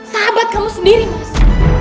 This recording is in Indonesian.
sahabat kamu sendiri mas